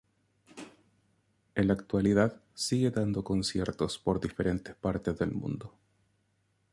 En la actualidad sigue dando conciertos por diferentes paises del mundo.